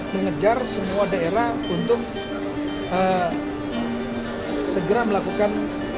mengejar semua daerah untuk segera melakukan